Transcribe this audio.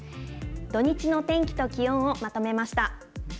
土日のお天気と気温をまとめました。